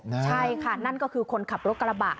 ใช่ค่ะนั่นก็คือคนขับรถกระบะ